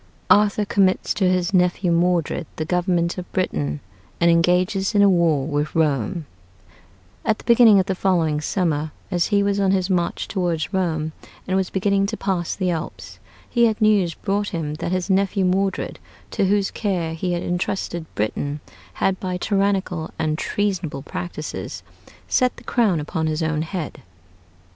ARTHUR COMMITS TO HIS NEPHEW MODRED THE GOVERNMENT OF BRITAIN, AND ENGAGES IN A WAR WITH ROME At the beginning of the following summer, as he was on his march toward Rome and was beginning to pass the Alps, he had news brought him that his nephew Modred, to whose care he had intrusted Britain, had, by tyrannical and treasonable practices, set the crown upon his own head.